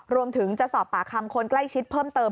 รวมถึงจะสอบปากคำคนใกล้ชิดเพิ่มเติม